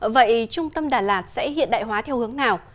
vậy trung tâm đà lạt sẽ hiện đại hóa theo hướng nào